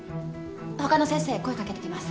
他の先生声掛けてきます。